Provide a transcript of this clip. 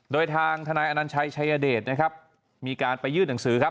โดยทางทนายอานัญชัยชัยเดชมีการไปยื่นหนังสือ